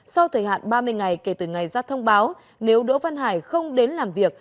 sau thời hạn ba mươi ngày kể từ ngày ra thông báo nếu đỗ văn hải không đến làm việc